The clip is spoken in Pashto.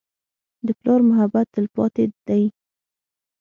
د پلار محبت تلپاتې دی.